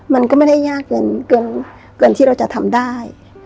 มันก็ไม่ได้ยากเกินที่เราจะทำได้